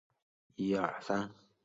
阿法埃娅。